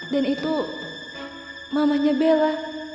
dan itu mamanya bella